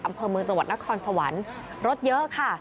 อำเภอเมืองจังหวัดนครสวรรค์รถเยอะค่ะ